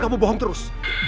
kamu bohong terus